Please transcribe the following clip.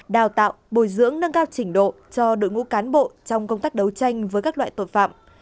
đào tạo bồi dưỡng nâng cao trình độ cho đội ngũ cán bộ trong công tác đấu tranh với các loại tội phạm